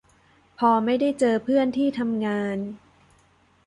พอไม่ได้เจอเพื่อนที่ทำงาน